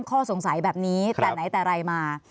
ข้อสงสัยแบบนี้แต่ไหนแต่ไรมา